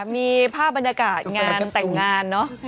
มีภาพบรรยากาศงานแต่งงานเนอะ